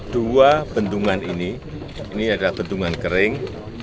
dua bendungan ini ini adalah bendungan kering